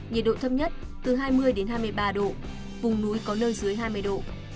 nhiệt độ thấp nhất từ hai mươi hai mươi ba độ vùng núi có nơi dưới hai mươi độ